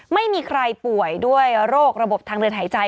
ไม่มีใครป่วยด้วยโรคระบบทางเดินหายใจ